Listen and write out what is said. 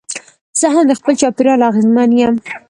زه هم د خپل چاپېریال اغېزمن یم.